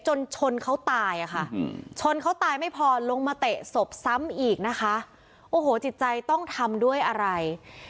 จนชนเขาตายอะค่ะชนเขาตายไม่พอลงมาเตะศพซ้ำอีกนะคะโอ้โหจิตใจต้องทำด้วยอะไร